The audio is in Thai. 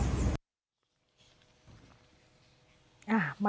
โอเคครับขอบคุณครับ